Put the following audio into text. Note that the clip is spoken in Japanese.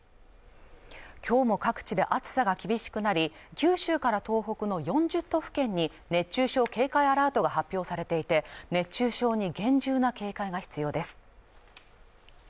今日も各地で暑さが厳しくなり九州から東北の４０都府県に熱中症警戒アラートが発表されていて熱中症に厳重な警戒が必要です